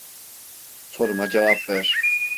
Soruma cevap ver!